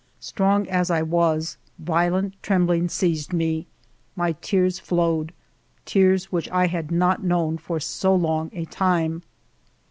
Strong as I was, violent trembling seized me, my tears flowed, — tears which I had not known for so long a time.